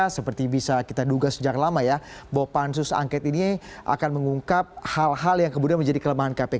seperti bisa kita duga sejak lama ya bahwa pansus angket ini akan mengungkap hal hal yang kemudian menjadi kelemahan kpk